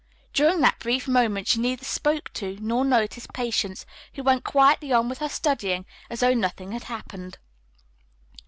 During that brief moment she neither spoke to nor noticed Patience, who went quietly on with her studying as though nothing had happened.